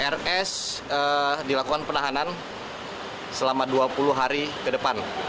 rs dilakukan penahanan selama dua puluh hari ke depan